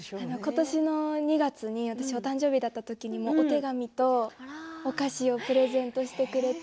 今年の２月に私誕生日だった時にもお手紙とお菓子をプレゼントしてくれて。